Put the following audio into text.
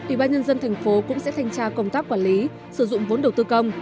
ubnd tp cũng sẽ thanh tra công tác quản lý sử dụng vốn đầu tư công